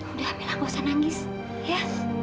udah mila nggak usah nangis ya